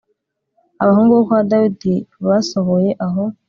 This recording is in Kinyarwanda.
Abahungu bo kwa Dawidi basohoye aho